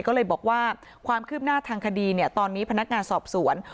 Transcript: ก็เลยบอกว่าความคืบหน้าทางคดีตอนนี้พนักงานสอบสวน